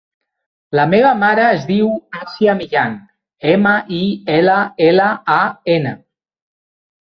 La meva mare es diu Àsia Millan: ema, i, ela, ela, a, ena.